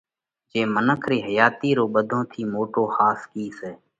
جي منک رِي حياتِي رو ٻڌون ٿِي موٽو ۿاس ڪِي سئہ؟